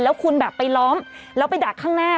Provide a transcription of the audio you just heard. แล้วคุณแบบไปล้อมแล้วไปดักข้างหน้า